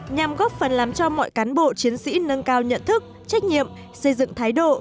nhằm góp phần làm cho mọi cán bộ chiến sĩ nâng cao nhận thức trách nhiệm xây dựng thái độ